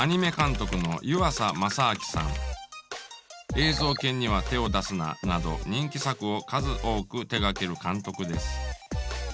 「映像研には手を出すな！」など人気作を数多く手がける監督です。